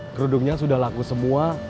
kerudungnya sudah laku semua